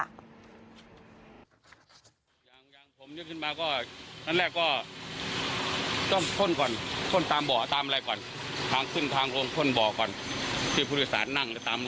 แอลกอฮอล์นี้เตรียมไว้ส่วนตัวแต่เขามีแจกให้ครับ